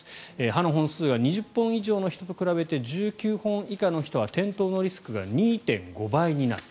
歯の本数が２０本以上の人と比べて１９本以下の人は転倒のリスクが２．５倍になる。